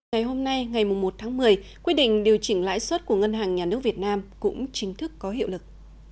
ngày hôm nay ngày một tháng một mươi quy định điều chỉnh lãi suất của ngân hàng nhà nước việt nam cũng chính thức có hiệu lực